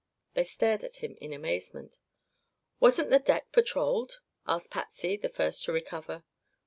They stared at him in amazement. "Wasn't the deck patrolled?" asked Patsy, the first to recover.